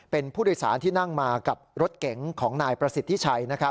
เป็นผู้โดยสารที่นั่งมากับรถเก๋งของนายประสิทธิชัย